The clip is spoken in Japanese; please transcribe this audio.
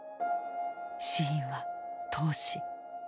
死因は「凍死」。